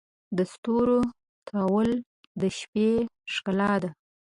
د ستورو تلؤل د شپې ښکلا ده.